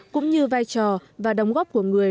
cũng như vai trò và đóng góp của người